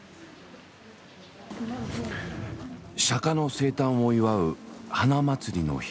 釈の生誕を祝う花祭りの日。